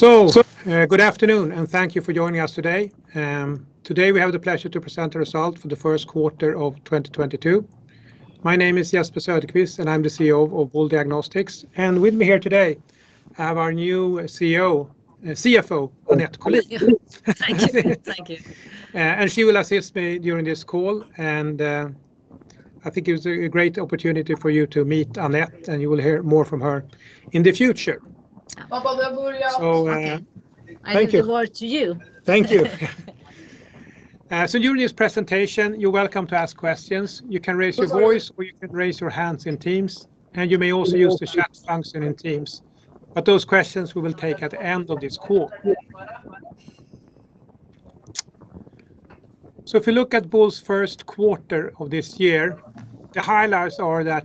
Good afternoon, and thank you for joining us today. Today we have the pleasure to present the Result For The First Quarter of 2022. My name is Jesper Söderqvist, and I'm the CEO of Boule Diagnostics. With me here today, I have our new CEO, CFO, Annette Colin. Thank you. Thank you. She will assist me during this call, and I think it was a great opportunity for you to meet Annette, and you will hear more from her in the future. I hand over to you. Thank you. During this presentation, you're welcome to ask questions. You can raise your voice, or you can raise your hands in Teams, and you may also use the chat function in Teams. But those questions we will take at the end of this call. If you look at Boule's first quarter of this year, the highlights are that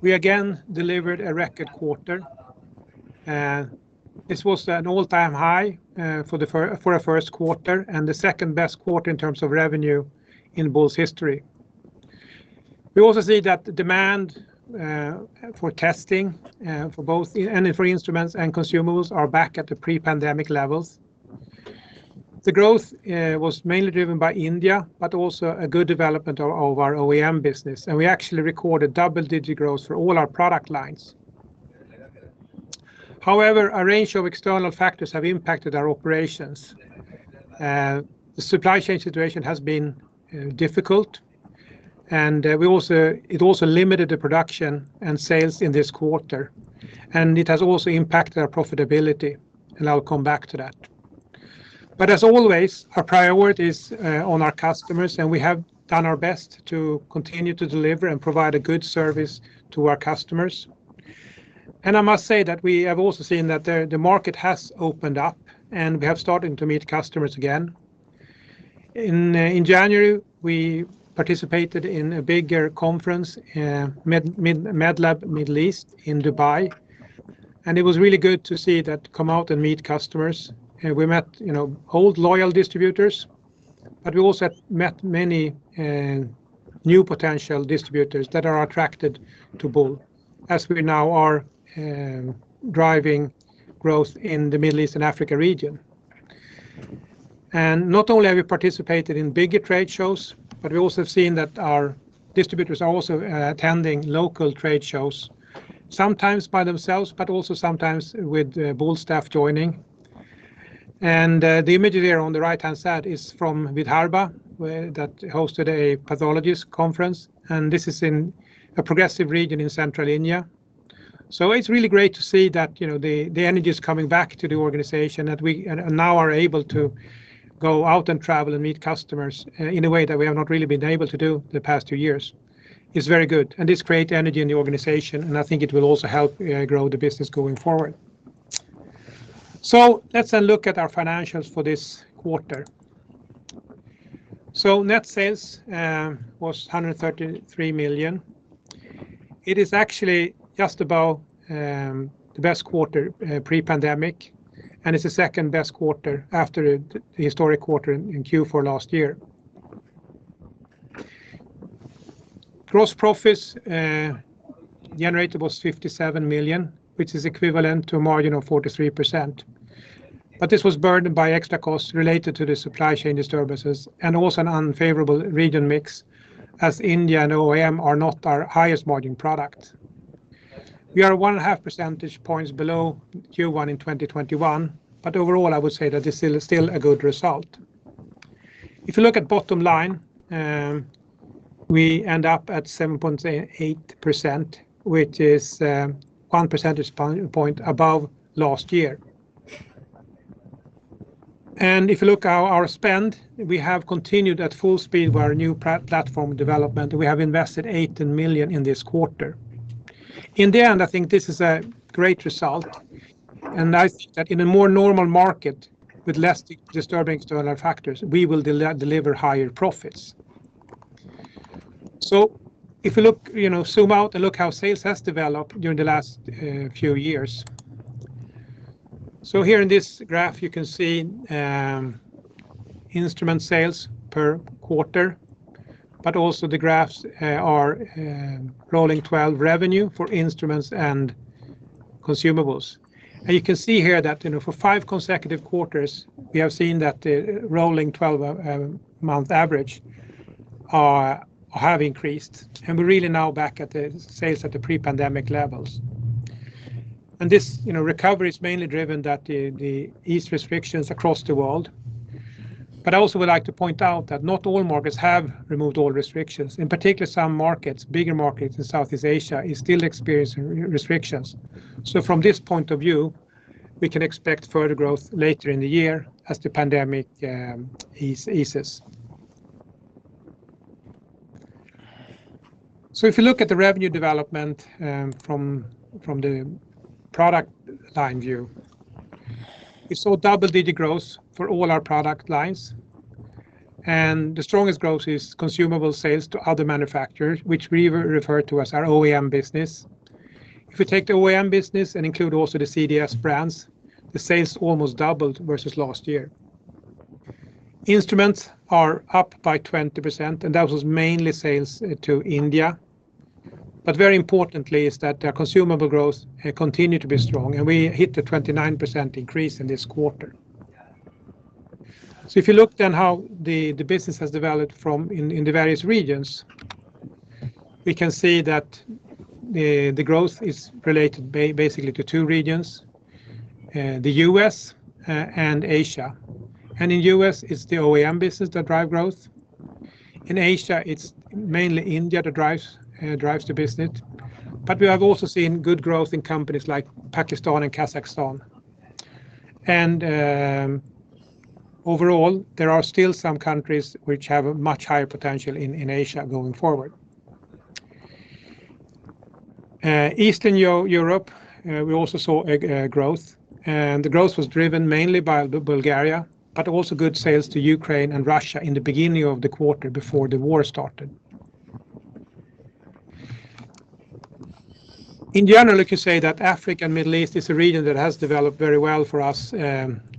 we again delivered a record quarter. This was an all-time high for a first quarter and the second best quarter in terms of revenue in Boule's history. We also see that demand for testing for both instruments and consumables are back at the pre-pandemic levels. The growth was mainly driven by India, but also a good development of our OEM business, and we actually recorded double-digit growth for all our product lines. However, a range of external factors have impacted our operations. The supply chain situation has been difficult, and it also limited the production and sales in this quarter, and it has also impacted our profitability, and I'll come back to that. As always, our priority is on our customers, and we have done our best to continue to deliver and provide a good service to our customers. I must say that we have also seen that the market has opened up, and we have started to meet customers again. In January, we participated in a bigger conference, Medlab Middle East in Dubai, and it was really good to see that come out and meet customers. We met, you know, old loyal distributors, but we also met many new potential distributors that are attracted to Boule as we now are driving growth in the Middle East and Africa region. Not only have we participated in bigger trade shows, but we also have seen that our distributors are also attending local trade shows, sometimes by themselves, but also sometimes with Boule staff joining. The image there on the right-hand side is from Vidarbha, where that hosted a pathologist conference, and this is in a progressive region in central India. It's really great to see that, you know, the energy is coming back to the organization, that we and now are able to go out and travel and meet customers in a way that we have not really been able to do the past two years. It's very good, and this create energy in the organization, and I think it will also help grow the business going forward. Let's look at our financials for this quarter. Net sales was 133 million. It is actually just about the best quarter pre-pandemic, and it's the second-best quarter after the historic quarter in Q4 last year. Gross profits generated was 57 million, which is equivalent to a margin of 43%, but this was burdened by extra costs related to the supply chain disturbances and also an unfavorable region mix, as India and OEM are not our highest margin product. We are 1.5 percentage points below Q1 in 2021, but overall, I would say that this is still a good result. If you look at bottom line, we end up at 7.8%, which is one percentage point above last year. If you look at our spend, we have continued at full speed with our new platform development. We have invested 18 million in this quarter. In the end, I think this is a great result, and I think that in a more normal market with less disturbing external factors, we will deliver higher profits. If you look, you know, zoom out and look how sales has developed during the last few years. Here in this graph you can see instrument sales per quarter, but also the graphs are rolling 12 revenue for instruments and consumables. You can see here that, you know, for five consecutive quarters, we have seen that the rolling 12 month average have increased, and we're really now back at the sales at the pre-pandemic levels. This, you know, recovery is mainly driven by the easing of restrictions across the world. I also would like to point out that not all markets have removed all restrictions. In particular, some markets, bigger markets in Southeast Asia is still experiencing restrictions. From this point of view, we can expect further growth later in the year as the pandemic eases. If you look at the revenue development, from the product line view, we saw double-digit growth for all our product lines, and the strongest growth is consumable sales to other manufacturers, which we refer to as our OEM business. If you take the OEM business and include also the CDS brands, the sales almost doubled versus last year. Instruments are up by 20%, and that was mainly sales to India. Very importantly is that our consumable growth continue to be strong, and we hit a 29% increase in this quarter. If you look then how the business has developed in the various regions, we can see that the growth is related basically to two regions, the U.S. and Asia. In U.S., it's the OEM business that drive growth. In Asia, it's mainly India that drives the business. We have also seen good growth in countries like Pakistan and Kazakhstan. Overall, there are still some countries which have a much higher potential in Asia going forward. Eastern Europe, we also saw a growth, and the growth was driven mainly by Bulgaria, but also good sales to Ukraine and Russia in the beginning of the quarter before the war started. In general, you could say that Africa and Middle East is a region that has developed very well for us,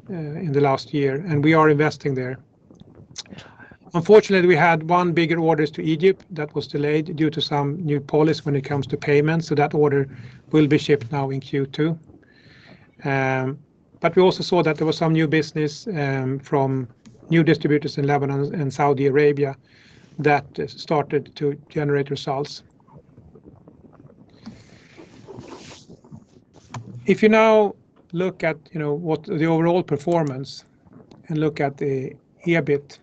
in the last year, and we are investing there. Unfortunately, we had one bigger orders to Egypt that was delayed due to some new policy when it comes to payments, so that order will be shipped now in Q2. We also saw that there was some new business, from new distributors in Lebanon and Saudi Arabia that started to generate results. If you now look at, you know, what the overall performance and look at the EBIT,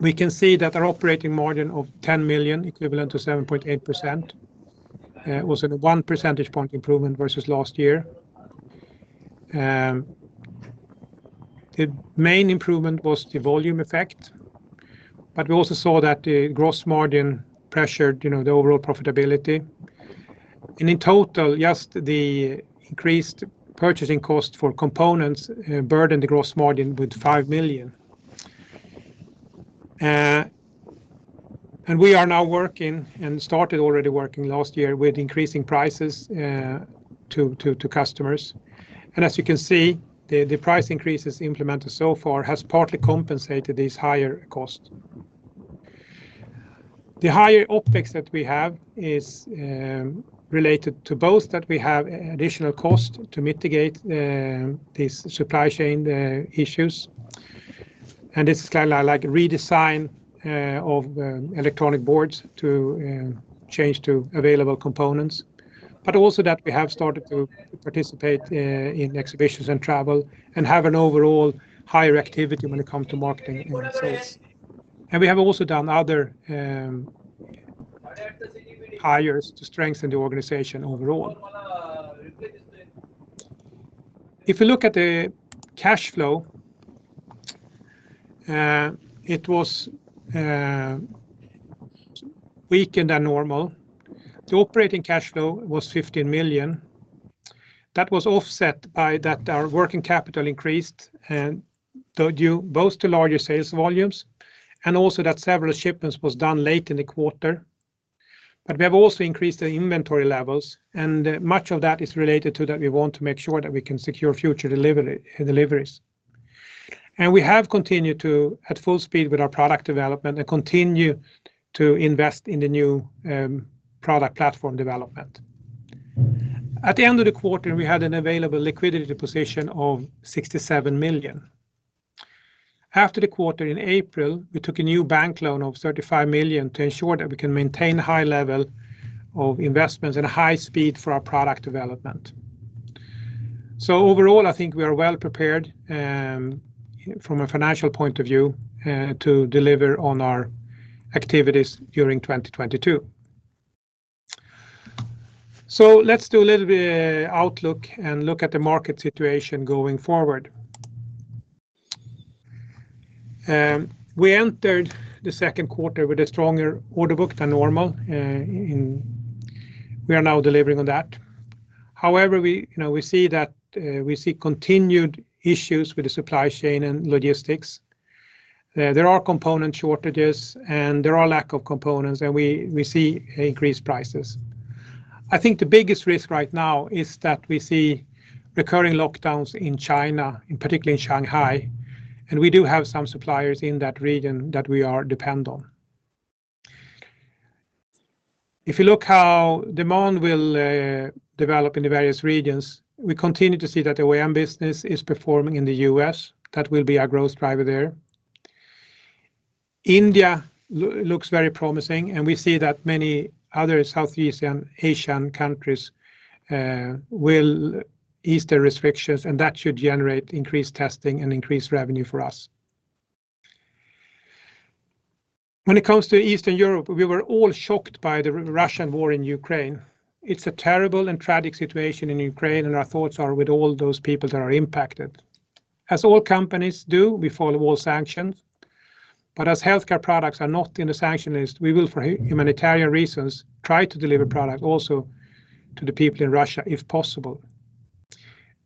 we can see that our operating margin of 10 million, equivalent to 7.8%, was a one percentage point improvement versus last year. The main improvement was the volume effect, but we also saw that the gross margin pressured, you know, the overall profitability. In total, just the increased purchasing cost for components burdened the gross margin with 5 million. We are now working, and started already working last year, with increasing prices to customers. As you can see, the price increases implemented so far has partly compensated these higher costs. The higher OPEX that we have is related to both that we have additional cost to mitigate these supply chain issues. It's kinda like a redesign of electronic boards to change to available components. Also that we have started to participate in exhibitions and travel and have an overall higher activity when it comes to marketing and sales. We have also done other hires to strengthen the organization overall. If you look at the cash flow, it was weaker than normal. The operating cash flow was 15 million. That was offset by that our working capital increased due both to larger sales volumes and also that several shipments was done late in the quarter. We have also increased the inventory levels, and much of that is related to that we want to make sure that we can secure future delivery, deliveries. We have continued to, at full speed with our product development, and continue to invest in the new, product platform development. At the end of the quarter, we had an available liquidity position of 67 million. After the quarter in April, we took a new bank loan of 35 million to ensure that we can maintain a high level of investments and a high speed for our product development. Overall, I think we are well prepared, from a financial point of view, to deliver on our activities during 2022. Let's do a little bit of outlook and look at the market situation going forward. We entered the second quarter with a stronger order book than normal, and we are now delivering on that. However, we, you know, we see continued issues with the supply chain and logistics. There are component shortages, and there are lack of components, and we see increased prices. I think the biggest risk right now is that we see recurring lockdowns in China, in particular in Shanghai, and we do have some suppliers in that region that we are dependent on. If you look how demand will develop in the various regions, we continue to see that the OEM business is performing in the U.S. That will be our growth driver there. India looks very promising, and we see that many other Southeast Asian countries will ease their restrictions, and that should generate increased testing and increased revenue for us. When it comes to Eastern Europe, we were all shocked by the Russian war in Ukraine. It's a terrible and tragic situation in Ukraine, and our thoughts are with all those people that are impacted. As all companies do, we follow all sanctions. But as healthcare products are not in the sanction list, we will, for humanitarian reasons, try to deliver product also to the people in Russia if possible.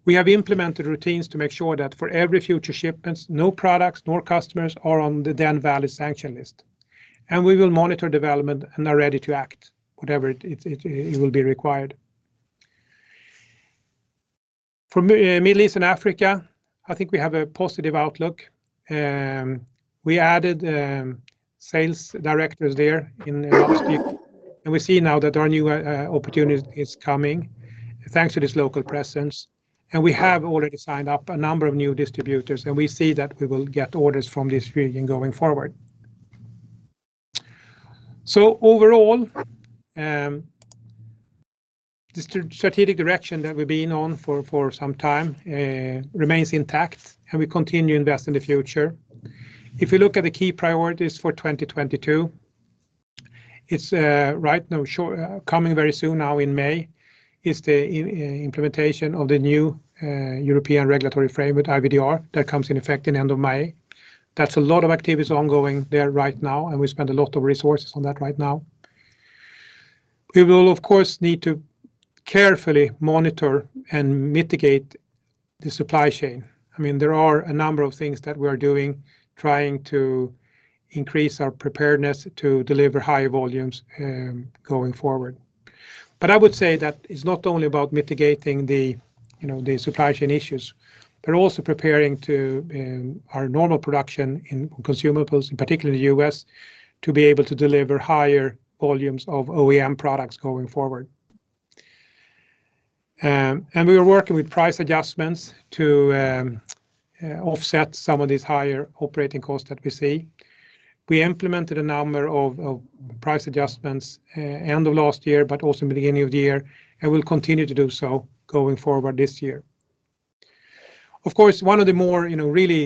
We have implemented routines to make sure that for every future shipments, no products, no customers are on the then valid sanction list. We will monitor development and are ready to act, whatever it will be required. For Middle East and Africa, I think we have a positive outlook. We added sales directors there in, and we see now that our new opportunity is coming thanks to this local presence. We have already signed up a number of new distributors, and we see that we will get orders from this region going forward. Overall, the strategic direction that we've been on for some time remains intact, and we continue to invest in the future. If you look at the key priorities for 2022, it's right now coming very soon now in May, is the implementation of the new European regulatory framework, IVDR, that comes in effect in end of May. That's a lot of activities ongoing there right now, and we spend a lot of resources on that right now. We will, of course, need to carefully monitor and mitigate the supply chain. I mean, there are a number of things that we are doing trying to increase our preparedness to deliver higher volumes going forward. I would say that it's not only about mitigating the, you know, the supply chain issues, but also preparing to our normal production in consumables, in particular the US, to be able to deliver higher volumes of OEM products going forward. We are working with price adjustments to offset some of these higher operating costs that we see. We implemented a number of price adjustments end of last year, but also beginning of the year, and we'll continue to do so going forward this year. Of course, one of the more, you know, really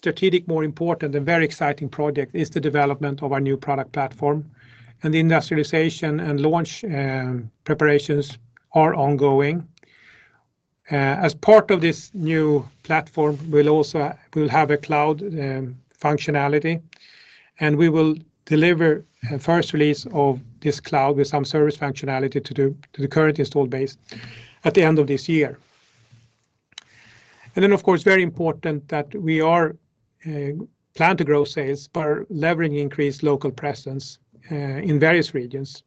strategic, more important, and very exciting project is the development of our new product platform, and the industrialization and launch preparations are ongoing. As part of this new platform, we'll have a cloud functionality, and we will deliver a first release of this cloud with some service functionality to the current installed base at the end of this year. Of course, very important that we plan to grow sales by leveraging increased local presence in various regions,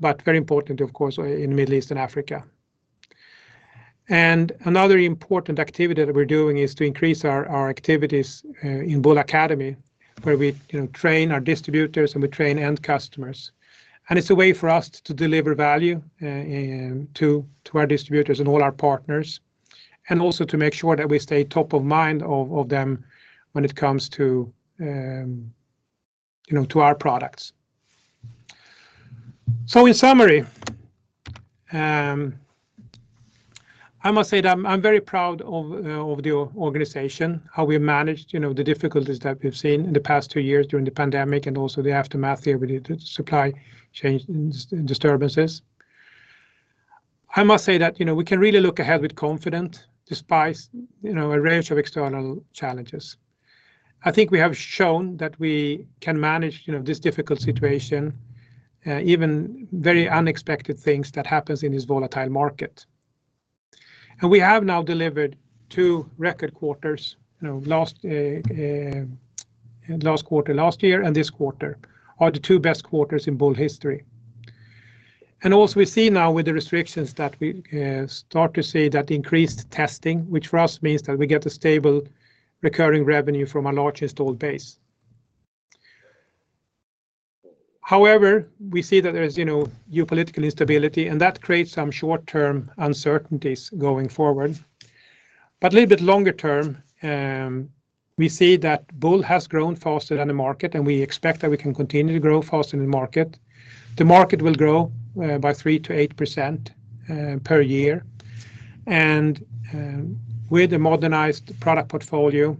but very important, of course, in Middle East and Africa. Another important activity that we're doing is to increase our activities in Boule Academy, where we you know train our distributors and we train end customers. It's a way for us to deliver value to our distributors and all our partners, and also to make sure that we stay top of mind of them when it comes to you know to our products. In summary, I must say that I'm very proud of the organization, how we managed you know the difficulties that we've seen in the past two years during the pandemic and also the aftermath there with the supply chain disturbances. I must say that, you know, we can really look ahead with confidence despite, you know, a range of external challenges. I think we have shown that we can manage, you know, this difficult situation, even very unexpected things that happens in this volatile market. We have now delivered two record quarters. You know, last quarter last year and this quarter are the two best quarters in Boule history. Also we see now with the restrictions that we start to see that increased testing, which for us means that we get a stable recurring revenue from a large installed base. However, we see that there's, you know, geopolitical instability, and that creates some short-term uncertainties going forward. A little bit longer term, we see that Boule has grown faster than the market, and we expect that we can continue to grow faster than the market. The market will grow by 3%-8% per year. With the modernized product portfolio,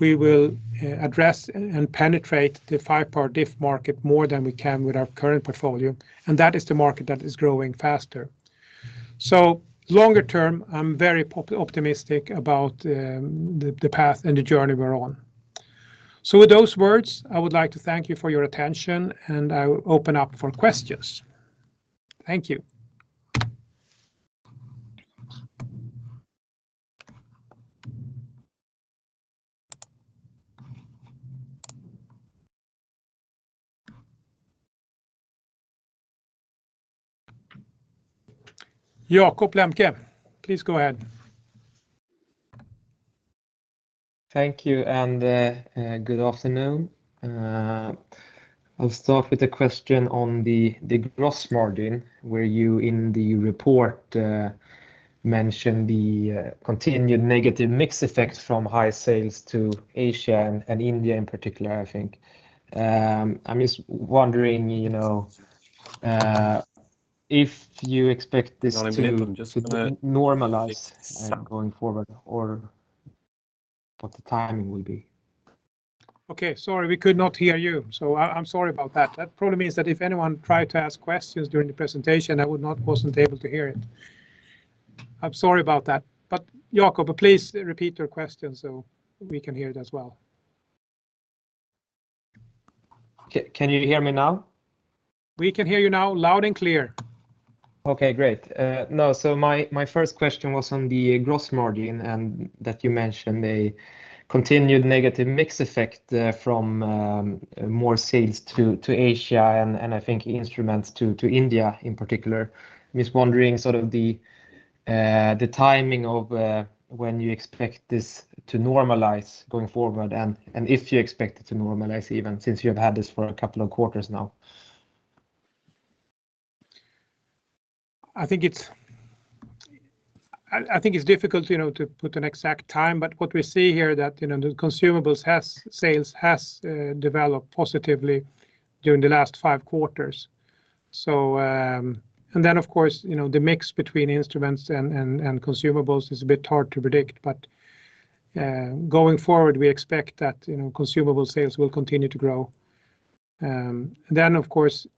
we will address and penetrate the five-part diff market more than we can with our current portfolio, and that is the market that is growing faster. Longer term, I'm very optimistic about the path and the journey we're on. With those words, I would like to thank you for your attention, and I will open up for questions. Thank you. Jakob Lemke, please go ahead. Thank you and good afternoon. I'll start with a question on the gross margin, where you in the report mentioned the continued negative mix effect from high sales to Asia and India in particular, I think. I'm just wondering, you know, if you expect this to One minute. -normalize, going forward or what the timing will be? Okay. Sorry, we could not hear you. I'm sorry about that. That probably means that if anyone tried to ask questions during the presentation, I wasn't able to hear it. I'm sorry about that. Jakob, please repeat your question so we can hear it as well. Can you hear me now? We can hear you now loud and clear. Okay, great. No, my first question was on the gross margin, and that you mentioned a continued negative mix effect, from more sales to Asia and I think instruments to India in particular. Just wondering sort of the timing of when you expect this to normalize going forward and if you expect it to normalize even since you have had this for a couple of quarters now? I think it's difficult, you know, to put an exact time, but what we see here that, you know, the consumables sales has developed positively during the last five quarters. Of course, you know, the mix between instruments and consumables is a bit hard to predict. Going forward, we expect that, you know, consumable sales will continue to grow. Of course,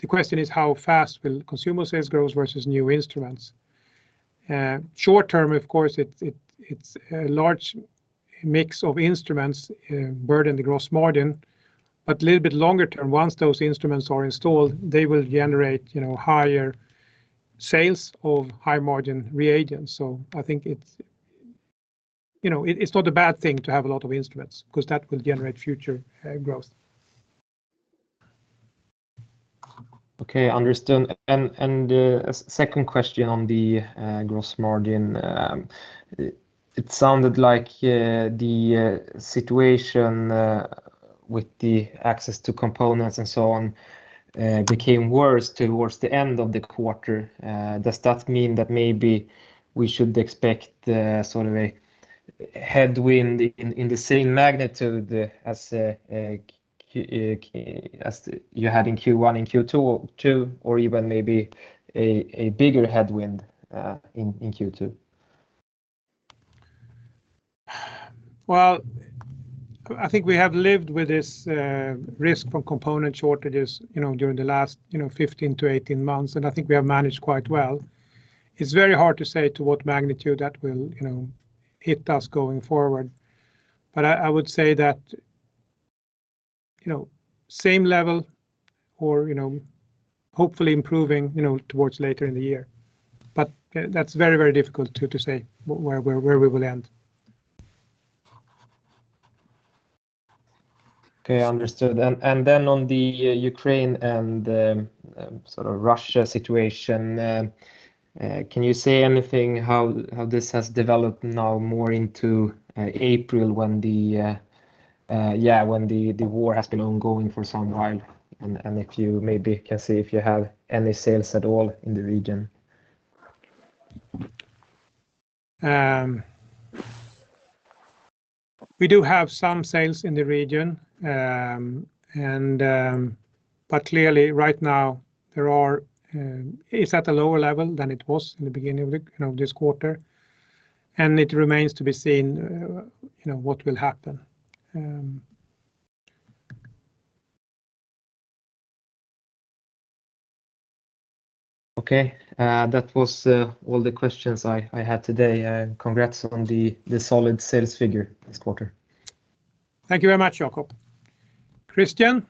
the question is how fast will consumer sales grows versus new instruments. Short-term, of course, it's a large mix of instruments burden the gross margin. Little bit longer term, once those instruments are installed, they will generate, you know, higher sales of high margin reagents. I think it's, you know, it's not a bad thing to have a lot of instruments 'cause that will generate future growth. Okay, understood. Second question on the gross margin. It sounded like the situation with the access to components and so on became worse towards the end of the quarter. Does that mean that maybe we should expect sort of a headwind in the same magnitude as you had in Q1 and Q2, or even maybe a bigger headwind in Q2? Well, I think we have lived with this risk from component shortages, you know, during the last, you know, 15-18 months, and I think we have managed quite well. It's very hard to say to what magnitude that will, you know, hit us going forward. I would say that, you know, same level or, you know, hopefully improving, you know, towards later in the year. That's very, very difficult to say where we will end. Okay, understood. On the Ukraine and the sort of Russia situation, can you say anything about how this has developed now more into April when the war has been ongoing for some while? If you maybe can say if you have any sales at all in the region? We do have some sales in the region. Clearly right now there are, it's at a lower level than it was in the beginning of the, you know, this quarter, and it remains to be seen, you know, what will happen. Okay. That was all the questions I had today. Congrats on the solid sales figure this quarter. Thank you very much, Jakob. Christian?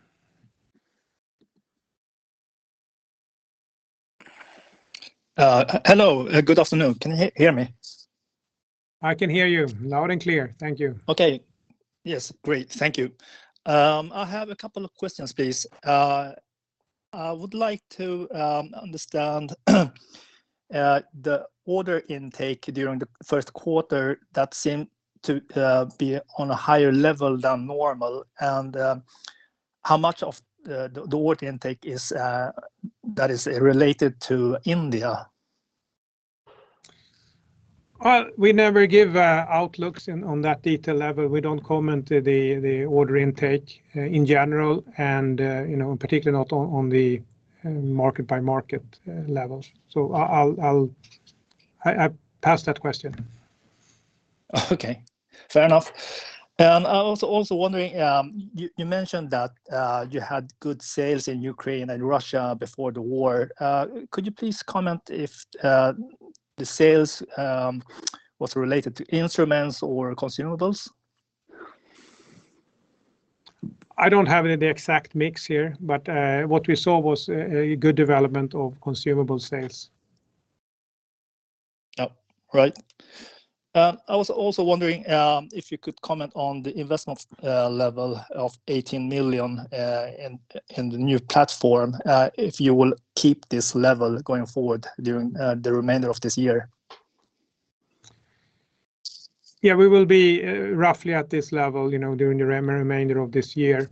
Hello. Good afternoon. Can you hear me? I can hear you loud and clear. Thank you. Okay. Yes. Great. Thank you. I have a couple of questions, please. I would like to understand the order intake during the first quarter that seemed to be on a higher-level than normal and how much of the order intake is related to India? Well, we never give outlooks on that detail level. We don't comment on the order intake in general, and you know, in particular, not on the market by market levels. I'll pass that question. Okay. Fair enough. I was also wondering, you mentioned that, you had good sales in Ukraine and Russia before the war. Could you please comment if the sales was related to instruments or consumables? I don't have the exact mix here, but what we saw was a good development of consumable sales. Yep. Right. I was also wondering if you could comment on the investment level of 18 million in the new platform if you will keep this level going forward during the remainder of this year? Yeah, we will be roughly at this level, you know, during the remainder of this year.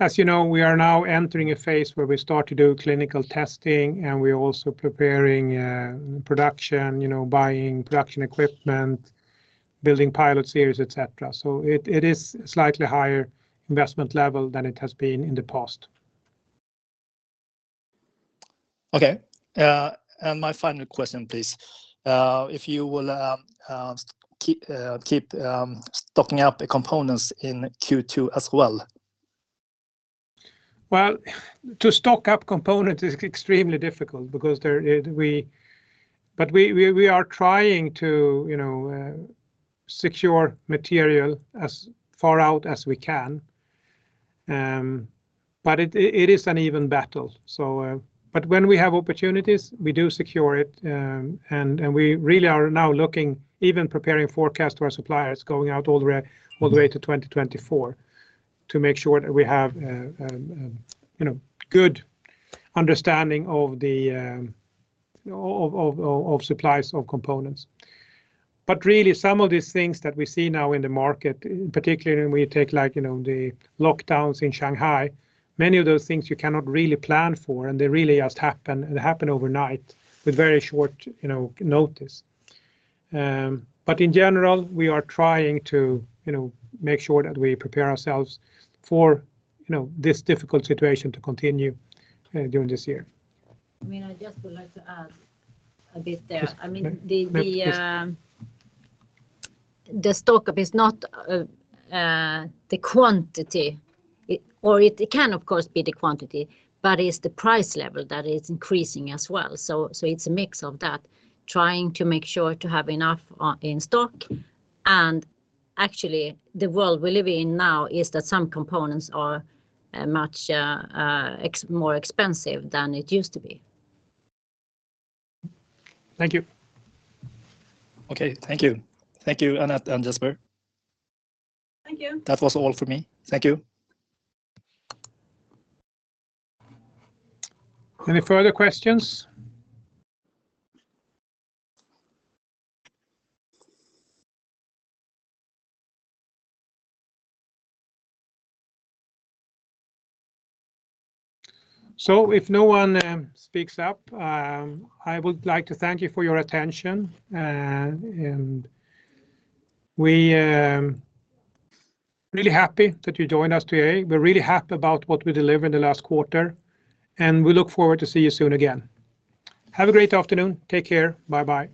As you know, we are now entering a phase where we start to do clinical testing, and we're also preparing production, you know, buying production equipment, building pilot series, et cetera. It is slightly higher investment level than it has been in the past. Okay. My final question, please. If you will, keep stocking up the components in Q2 as well? Well, to stock up components is extremely difficult because we are trying to, you know, keep secure material as far out as we can. It is an even battle. When we have opportunities, we do secure it, and we really are now looking, even preparing forecasts to our suppliers going out all the way to 2024 to make sure that we have a, you know, good understanding of the supplies of components. Some of these things that we see now in the market, particularly when we take like, you know, the lockdowns in Shanghai, many of those things you cannot really plan for, and they really just happen overnight with very short, you know, notice. In general, we are trying to, you know, make sure that we prepare ourselves for, you know, this difficult situation to continue during this year. I mean, I just would like to add a bit there. Yes please. I mean, the stock up is not the quantity, or it can of course be the quantity, but it's the price level that is increasing as well. It's a mix of that, trying to make sure to have enough in stock. Actually, the world we live in now is that some components are much more expensive than it used to be. Thank you. Okay. Thank you. Thank you, Annette and Jesper. Thank you. That was all for me. Thank you. Any further questions? If no one speaks up, I would like to thank you for your attention. We really happy that you joined us today. We're really happy about what we delivered the last quarter, and we look forward to see you soon again. Have a great afternoon. Take care. Bye-bye.